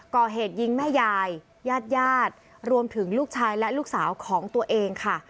ก่อเหตุยิงแม่ยายญาติญาติรวมถึงลูกชายและลูกสาวของตัวเองค่ะ